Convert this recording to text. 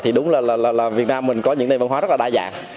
thì đúng là việt nam mình có những nền văn hóa rất là đa dạng